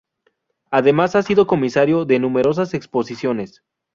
Además, ha sido comisario de numerosas exposiciones.